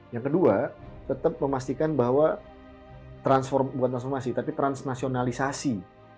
yang kedua tetap memastikan bahwa bukan transformasi tapi transnasionalisasi